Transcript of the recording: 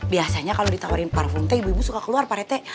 biasanya kalau ditawarin parfum teh ibu ibu suka keluar pak rete